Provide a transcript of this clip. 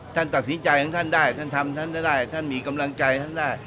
ท่านตัดสินใจของท่านได้ท่านทำท่านได้ท่านมีกำลังใจท่านได้